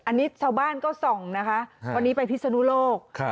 อันนี้ชาวบ้านก็ส่องนะคะวันนี้ไปพิศนุโลก